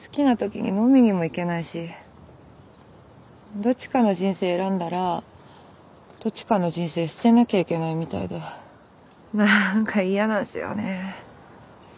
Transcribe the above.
どっちかの人生選んだらどっちかの人生捨てなきゃいけないみたいでなんか嫌なんですよね。